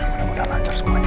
mudah mudahan lancar semuanya